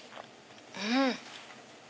うん！